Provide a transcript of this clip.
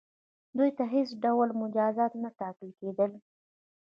دوی ته هیڅ ډول مجازات نه ټاکل کیدل.